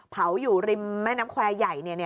เผาอยู่ริมแม่น้ำแควร์ใหญ่